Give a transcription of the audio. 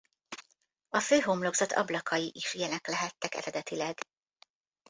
A főhomlokzat ablakai is ilyenek lehettek eredetileg.